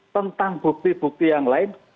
tentang bukti bukti yang lain